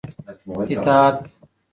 اطاعت